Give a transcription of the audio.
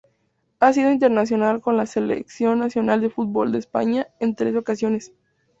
Ha sido internacional con la selección nacional de fútbol de España en tres ocasiones.